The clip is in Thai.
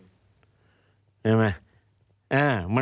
เห็นไหม